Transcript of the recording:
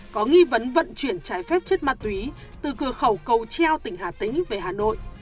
có nghi vấn vận chuyển trái phép chất ma túy từ cửa khẩu cầu treo tỉnh hà tĩnh về hà nội